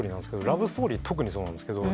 ラブストーリー特にそうなんですけど。